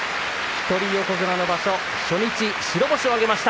一人横綱の場所初日、白星を挙げました。